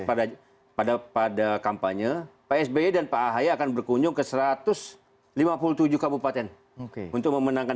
pada pada pada kampanye psb dan pak ahaye akan berkunjung ke satu ratus lima puluh tujuh kabupaten untuk memenangkan